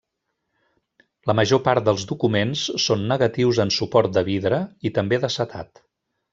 La major part dels documents són negatius en suport de vidre i també d'acetat.